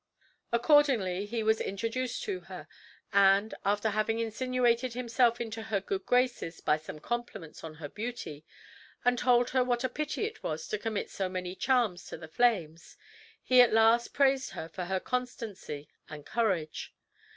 Accordingly he was introduced to her; and, after having insinuated himself into her good graces by some compliments on her beauty and told her what a pity it was to commit so many charms to the flames, he at last praised her for her constancy and courage.